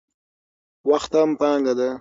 وخت هم پانګه ده.